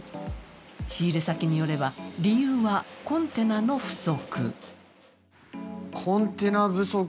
仕入れ先によれば、理由はコンテナの不足。